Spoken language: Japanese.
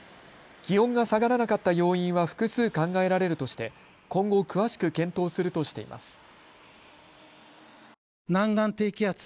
気温が下がらなかった要因は複数考えられるとして今後詳しく検討するとしています。